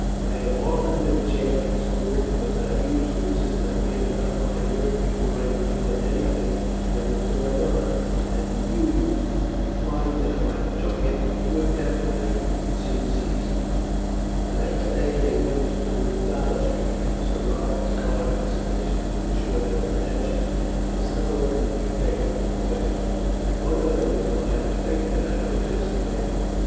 I have often been chaffed at school, because I used to insist on getting up my work before I would join anything that was going on, and used to find that if I took it good temperedly, it soon ceased." The next day they went to Bow Street. Sir Robert's card was sufficient to ensure them attention, and several of the detectives were questioned. One of them replied, "I think that I know just the man.